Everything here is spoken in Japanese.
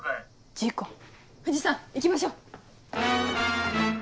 事故藤さん行きましょう！